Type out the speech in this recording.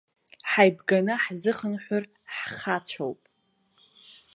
Ҳаибганы ҳзыхынҳәыр ҳхацәоуп.